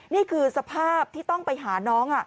นี่คือสภาพที่ต้องไปหาน้อง